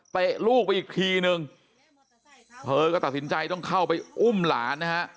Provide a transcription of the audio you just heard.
ลูกไปอีกทีนึงเธอก็ตัดสินใจต้องเข้าไปอุ้มหลานนะฮะ